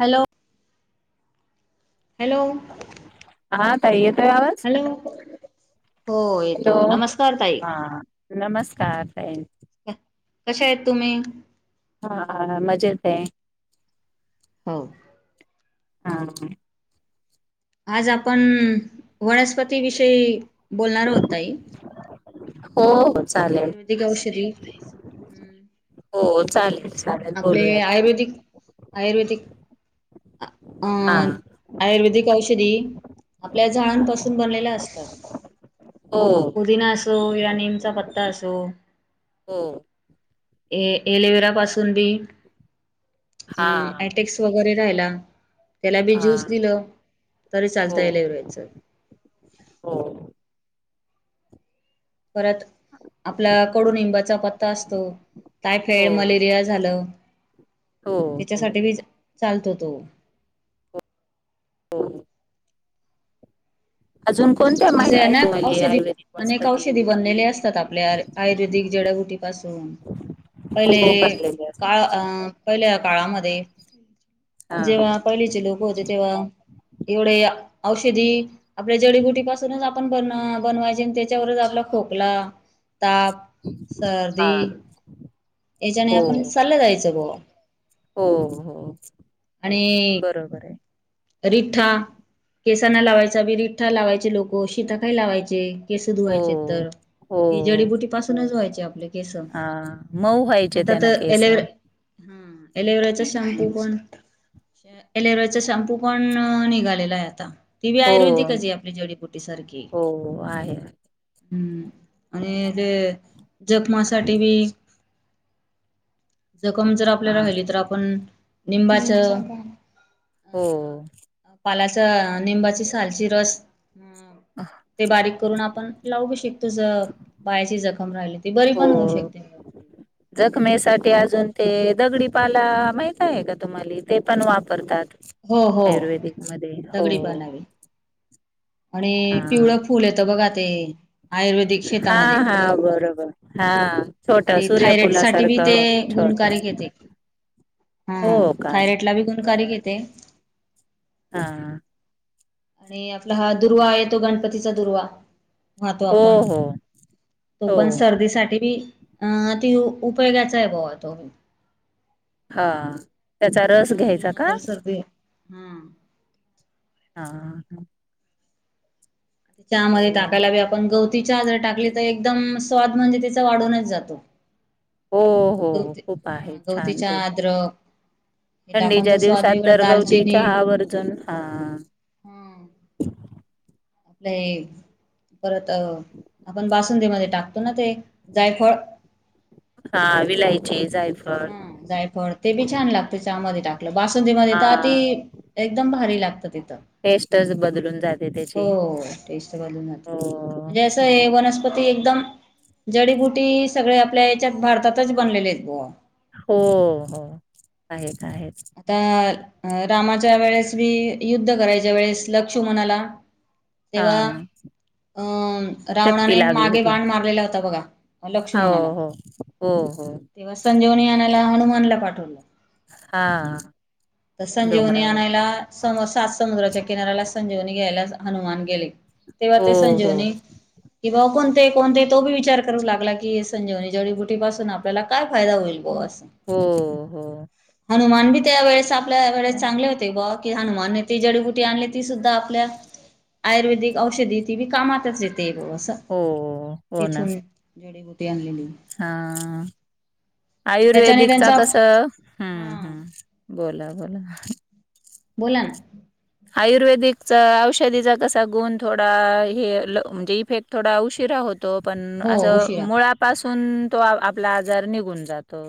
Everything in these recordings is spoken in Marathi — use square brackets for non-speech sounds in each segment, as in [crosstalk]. हॅलो. हॅलो. आला आवाज? हॅलो हो हॅलो येतोय नमस्कार ताई हा नमस्ते. [unintelligible] कशा आहेत तुम्ही? हा हा मजेत हे हो हा [unintelligible] आज आपण वनस्पती विषयी बोलणार होत ताई. हो हो य आयुर्वेदिक औषधी हम् हो चालेल चालेल आपले बोलूयात आयुर्वेदिक आयुर्वेदिक हा. अं आयुर्वेदिक औषधी आपल्या झाडां पासून बनलेल्या असतात. हो पुदिना अस असो या नीमचा पत्ता असो हो ए एलेवेरा पासून बी हा एटेक्स वगैरे राहायला. त्याला बी हा ज्यूस दिलं, तरी हो चालता एलोवेराचं. हो परत आपला कडूनींबाचा पत्ता असतो. टायफाईड, हो मलेरिया झालं हो हो त्याच्यासाठी बी चालतो तो. हो अजून कोणत्या माहिती असे आहे अनेक तुम्हाला औषधी आयुर्वेदिक अनेक वनस्पती? औषधी बनलेले असतात आपल्या आयुर्वेदिक जड्या बु टी पासून, पहिले हो बनलेले असतात काळ अं पहिले काळामध्ये, हा जेव्हा पहिलीचे लोकं होते तेव्हा एवढे औषधी आपल्या जडीबुटी पासून आपण बन बनवायचे त्याच्यावरच आपला खोकला ताप, हा सर्दी याच्याने हो आपण चाल्लं जायचं बॉ. हो हो आणि बरोबर आहे रिठ्ठा, केसांना लावायचा बी रिठ्ठा लावायचे लोक हो, शिकाकाई लावायचे केस हो धुवायचे तर, हो ही जडीबुटी पासूनच धुवायचे आपले केसं, हा मऊ व्हायचे आता त्यानं तर केस. एलेवे हं, एलेवेराचा शाम्पू हम्म. पण एलेवेरचा शॅम्पू पण अ निघालेला आहे आता. ती बी हो आयुर्वेदिकच ये आपली जडीबुटी सारखी. हो आहे हम्म आणि ते जखमासाठी बी जखम जर हा आपल्या राहिली तर आपण निंबाचं हो अ पालाचा निंबाची सालची रस अं ते बारीक करून आपण लावू बी श तुझं पायाची जखम राहिली ती बरी हो पण होऊ शकते जखमेसाठी अजून ते दगडीपाला माहित आहे का तुम्हाले? ते पण वापरतात. हो हो आयुर्वेदिक मधे हो. दगडी पालावी हा आणि पिवळं फुल येतं बघा ते आयुर्वेदिक हा शेतामध्ये, हा बरोबर हा छोट ते थायरॉइड साठी बी ते सूर्यफुलासारखं गु छोट गुणकारीक आहे ते, हा हो का थायरॉइटला बी गुणकारीक आहे बर ते हा आणि आपला हा दुर्वा येतो गणपतीचा दुर्वा वाहतो हो आपण, हो तो हो पण सर्दीसाठी बी अं अति उपयोगाचा आहे बो वा तो. हा त्याचा रस घ्यायचा का? हम्म हा हा हा चहा मध्ये टाकायला बी आपण गवती ति चहात जर टाकली तर एकदम स्वाद म्हणजे तिचा वाढूनच जातो. हो हो हो हो गवती खूप हा आहे गवती छान ते. चहा अद्रक हे टाकून थंडीच्या तर स्वाद दिवसात वेगळा तर गवती दालचिनी चहा आवर्जून हा [unintelligible] आपलं हे परत आपण बासुंदीमध्ये टाकतो ना ते, जायफळ हा विलायची. जायफळ हं जायफळ ते बी छान लागतं चहा मध्ये टाक ल बासुंदी मध्ये तर अती हा एकदम भारी लागत ते. त. टेस्टच बदलून जाते हो त्याची हो टेस्ट बदलून जाते. हो म्हणजे असं हो हे वनस्पती एकदम. जडीबुटी सगळे आपल्या याच्यात भारतातच बनलेले आहेत बुआ. हो हो होय आहेत. आहेत आता. अ रामाच्या वेळेस मी युद्ध करायच्या वेळेस लक्षुमनाला. हा. अं शक्ती रावणाने लागली मागे होती बाण मारलेला होता बघा हो लक्षुमनाला. हो हो हो तेव्हा संजीवनी आणायला हनुमानला पाठवलं. हा. तर संजीवनी डोंगरावर आणायला सम सात समुद्राच्या किनाऱ्याला संजीवनी घ्यायला जा. हनुमान गेले तेव्हा हो ते हो संजीवनी किंवा आपण. ते कोण ते तो बी विचार करू लागला की संजीवनी जडीबुटी पासून आपल्याला काय फायदा होईल बुआ. होय होय. हनुमान बी त्यावेेळेस आ आपल्या वेळेस चांगले होते बुआ की हनुमानने ती जडीबुटी आणली ती सुद्धा आपल्या. आयुर्वेदिक औषधी ती बी कामातचं येत. ते [unintelligible] असत हो हो ना तिथून जडीबुटी आणलेली. हा. त्याच्याने आयुर्वेदिकचा त्यांचा कसं हम्म हा हम्म बोला बोला. बोला ना. आयुर्वेदिकचा औषधीचा कसा गुण थोडा हे ल म्हणजे इफेक्ट थोडा उशीरा होत. तो, पण हो असं उशिरा मुळापासून तो आ आपला आजार निघून जातो..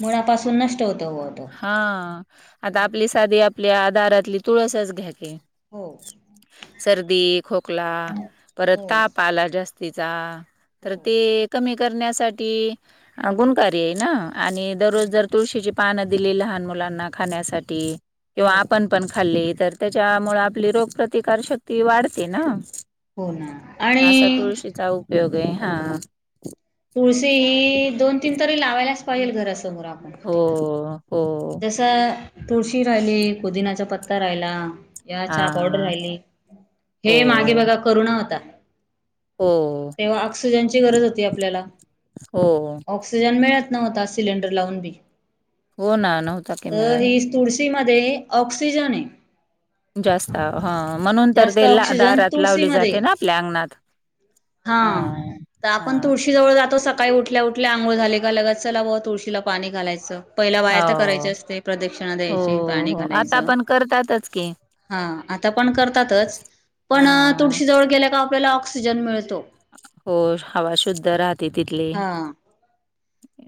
मुळापासून नष्ट होत. हा आता आपली साधी आपल्या आ दारातली तुळसच घ्या कि. हो. सर्दी, खोकला, परत हो. ताप आला जास्तीचा. तर हो ते कमी करण्यासाठी गुणकारी आहे ना. आणि दररोज हम्म. जर तुळशीची पानं दिली लहान मुलांना खाण्यासाठी. किंवा हो आपण पण खाल्ली तर त्याच्यामुळ आपली रोगप्रतिकार शक्ती वाढते ना. हो ना आणि असा तुळशीचा उपयोग आहे. हा.. तुळशी ही दोन तीन तरी लावायलाचं पाहिजेल घरात. हो हो. जसं तुळशी राहिली, पुदिनाचा पत्ता राहिला. या हा चहा पावडर राहिली हो हे मागे बघा करोना होता हो. तेव्हा ऑक्सिजनची गरज होती आपल्याला हो ऑक्सिजन मिळत. नव्हता सिलेंडर लावून देखील. हो ना नव्हताच की मिळत. ती मध्ये ऑक्सिजन आहे. जास्त हं म्हणून तर जास्त ते ऑक्सिजन दारात लावली जाते तुळशीमध्ये ना आपल्या अंगणात. हा तर हा आपण तुळशी जवळ जातो सका काही उठल्या उठल्या आंगोळ झाली का, लगत चला बा तुळशीला पाणी घालायचं पहिला बा य त. करायचे हो असते प्रदक्षिणा द्यायची हो पाणी हो आता घालायचं. पण करतातच की हा आता पण करतातच, हा पण तुडशीजवळ गेल्या का आपल्याला ऑक्सिजन मिळतो. हो हवा शुद्ध राहते तिथली. हा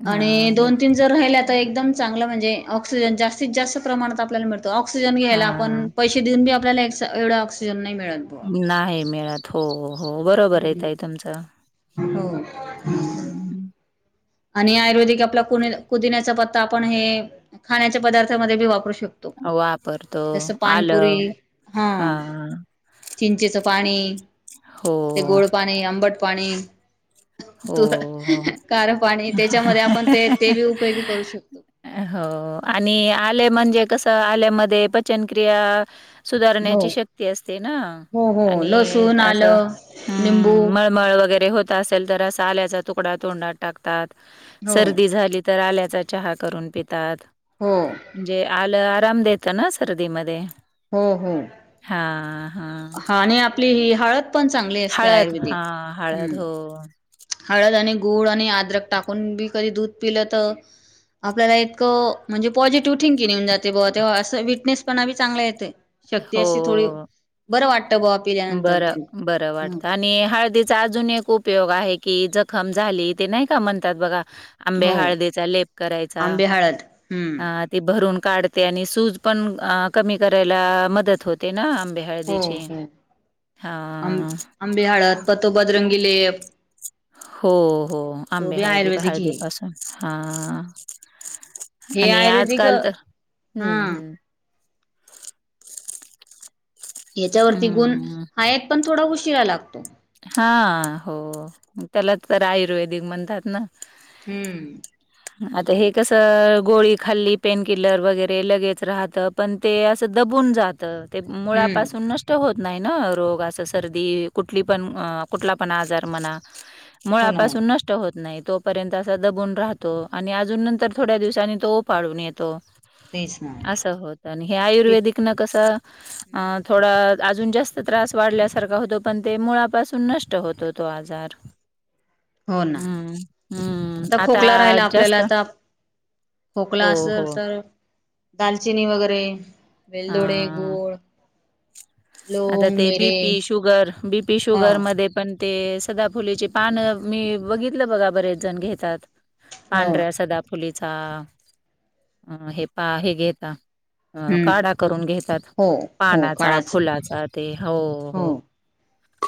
हा आणि दोन तीन जर राहिल्या तर एकदम चांगलं म्हणजे ऑक्सिजन जास्तीत जास्त प्रमाणात आपल्याला मिळत. तो ऑक्सिजन हा घ्यायला आपण पैसे देऊन बी आपल्याला ए एवढं ऑक्सिजन नाही. मिळत बुवा नाही मिेळत हो हो बरोबर हाय ताई तुमचं. हो. हं, आणि आयुर्वेदिक आपला पु पुदिण्याचा पत्ता आपण हे खाण्याच्या पदार्थामध्ये बी वापरू शकतो. वापरतो जसं पानपुरी आलं हा चिंचेचं पाणी हो, ते गोड पाणी, आंबट पाणी. हो तु हो. खार पाणी त्याच्यामध्ये आपण ते ते बी उपयोगी करू शकतो. [unintelligible] हो आणि आले म म्हणजे, कसं आलेमध्ये पचन क्रिया हो सुधारण्याची शक्ती असते, ना हो हो आणि लसूण असं आलं लिंबू हम्म! मळमळ वगैरे रे होत आसेल तर आल्याचा तुकडा तोंडात टाकतात. हो सर्दी झाली त तर आल्याचा चहा करून पितात हो म्हणजे, आलं आराम देत ना सर्दीमध्ये. हो हो हां, हां. हा आणि आपली ही हळद. पण चांगली असते, हळद आयुर्वेदिक हां, हळद. हम्म! हो, हळद आणि गुळ आणि आद्रक टाकून बी कधी दूध पिलंतं आपल्याला इतकं म्हणजे पॉझिटिव्ह थिंकिन येऊन जातयं बगा तेव्हा असं विटनेस पणा चांगला येतेय. शक्ती अशी थोडी बरं वाटतं बुवा पिल्यानंतर बर दूध. बरं हं, वाटतं आणि हळदीचा अजून एक उपयोग आहे. की जखम झाली, ते नाही का म्हणतात. बघा की आंबे हो हळदे चा लेप करायचा आंबे हळद हम्म. अ ते भरून काढते आणि सूज पण कमी करायला, मदत होते ना. हो हळदीची. आं हां. आंबे हळद पतोबदरंगीलेप. हो हो आंबे हळदी आयुर्वेदिक हे. हळदीपासून हा हे आणि आयुर्वेदिक आजकाल तर हा हम्म हम्म! हच्यावरती गुण हं, हायात पण थोडा उशिरा लागतो. हा, हो त्याला तर आयुर्वेदिक म्हणतात ना. हम्म! आता हे कसं गोळी खाल्ली पेन किलर वगैरे, लगेच राहतं पण ते असं दब दबून जातं ते हम्म मुळापासून नष्ट होत नाही, ना रोग आस सर्दी कुठली पण कुठला, पण आजार म्हणा हो ना हो मुळापासून नष्ट होत नाहीत पण तोपर्यंत असा दबून राहतो. आणि अजून तेच ना नंतर थोड्या दिवसांनी तो उपाडून येतो. तेच ना. असं होत. आणि हे ते आयुर्वेदिक न कसं अ थोडं अजून जास्त त्रास वाढल्यासारखा होतो, पण ते मुळापासून नष्ट होतो, तो आजार. हो ना हम्म हम्म! आता खोकला राहिला आपल्याला जास्तं. आता खोकला असलं तर दालचिनी वगैरे वेलदोडे, हां. गुळ आता ते B P sugar B P हा शुगर मध्ये पण ते सदाफुलीचे पान मी बघितलं बघा बरेच जण घेतात. हो पांढऱ्या सदाफुलीचा अ हे पा हे घेता. अ, हम्म काढा करून घेतात. हो हो पानाचा काळाच फुलाचा ते हो हो.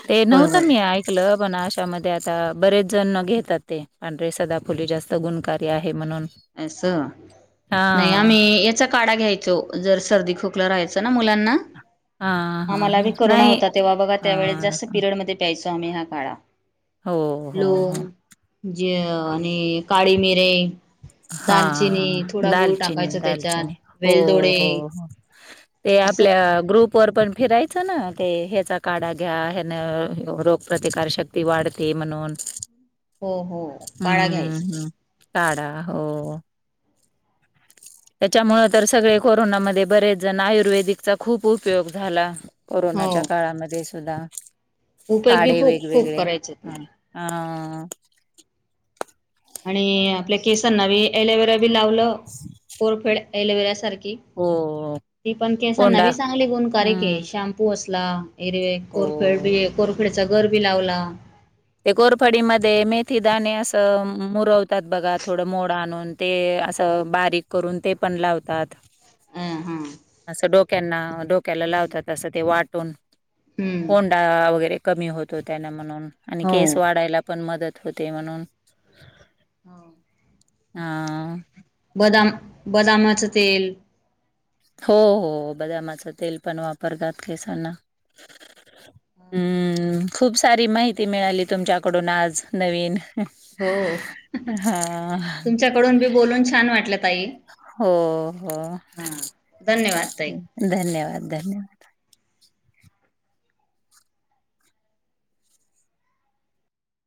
ते बरोबर नव्हतं मी ऐकलं. पण अशामध्ये आता बरेच जण घेतात, ते सदाफुली जास्त गुणकारी आहे म्हणून. असं नाही हां. आम्ही, याचा काढा घ्यायचो, जर सर्दी खोकला राहायचो. मुलांना हां, हां, आम्हाला हां. करुना नाही. होता, तेव्हा बघा त्या वळेस हां, जास्त हां. पिरयड मध्ये प्यायच. आम्ही ना काळा हो, हो, हो. लंवग, जिर आणि. काळी मिरे. हा हा दालचिनी थोडा गुळ दालचिनी टाकायचा त्याच्यात दालचिनी हो वेलदोडे हो हो. ते असं आपल्या ग्रुप व पण. फिरायचं ना ते ह्याचा, काढा घ्या ह रोगप्रतिकार शक्ती वाढते म्हणून. हो हो काळा हं, घ्यायचं. हं. काढा हो. त्याच्यामूळ तर सगळे कोरोनामध्ये बरेच जण आयुर्वदीचा खूप उपयोग झाला. हो कोरोनाच्या काळामध्ये सुद्धा. उपयोग बी काळे खूप खूप वेगवेगळे करायचेत ह हा ना हा हा हा हा. आणि आपल्या केसांनाी एलोवेरा बी लावलं कोरफेड एलोवेरा सारखे. हो, ते ते पण केसांना कोंडा. नवी चांगली गुणकारे क हं, शॅम्पू असला. एरवे कोरफड हो. बी कोरफडीचा घर बी लावला. ते कोरफडीमध्ये मेथी दणे असं मुरवतात बघा थोडं मोड आणून ते. असं बारीक करून ते पण लावतात. अ हा असं डोक्यांना डोक्याला लावतात असं ते वाटून. हम्म कोंडा वगैरे कमी होतो, त्यांना म्हणून आणि हो केस वाढायला पण मदत. होते ते म्हणून. हा. हा. बदाम बदमच तेल. हो हो बदामाचं तेल पण वापरतात केसांना. हम्म खूप सारी माहिती मिळाली तुमच्याकडून आज नवीन. हो हम्म हम्म हा तुमच्याकडून बी बोलून छान वाटलं ताई. हो हो हा धन्यवाद ताई धन्यवाद धन्यवाद.